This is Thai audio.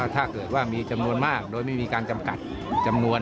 ถ้าเกิดว่ามีจำนวนมากโดยไม่มีการจำกัดจำนวน